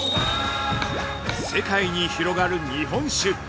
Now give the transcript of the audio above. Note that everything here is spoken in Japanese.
◆世界に広がる日本酒。